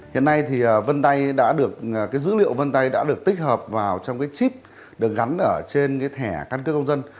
hiện nay thì vân tay đã được cái dữ liệu vân tay đã được tích hợp vào trong cái chip được gắn ở trên cái thẻ căn cước công dân